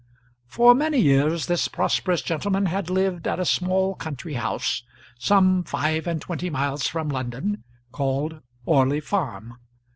For many years this prosperous gentleman had lived at a small country house, some five and twenty miles from London, called Orley Farm.